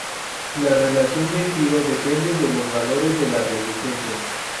La relación de giro depende de los valores de las resistencias.